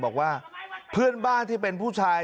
บอกว่าเพื่อนบ้านที่เป็นผู้ชาย